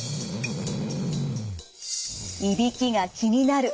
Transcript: いびきが気になる。